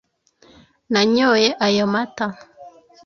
nanyoye ayo mata.